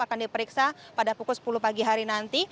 akan diperiksa pada pukul sepuluh pagi hari nanti